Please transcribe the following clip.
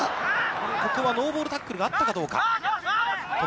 ここはノーボールタックルがあったかどうか。